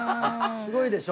すごいでしょ。